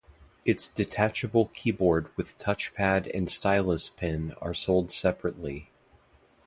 Its detachable keyboard with touchpad and stylus pen are sold separately.